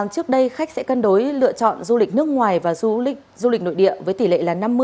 trước đây khách sẽ cân đối lựa chọn du lịch nước ngoài và du lịch nội địa với tỷ lệ là năm mươi